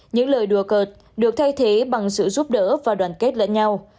những lời đùa cợt được thay thế bằng sự giúp đỡ và đoàn kết lẫn nhau